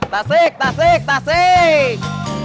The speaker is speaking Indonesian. tasik tasik tasik